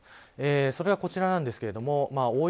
それが、こちらなんですけれども大雪、